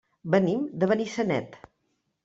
Venim de Benissanet.